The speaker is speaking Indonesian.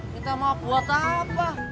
minta maaf buat apa